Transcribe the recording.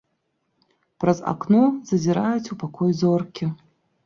Праз акно зазіраюць у пакой зоркі.